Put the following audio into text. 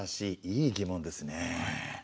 いい疑問ですねえ。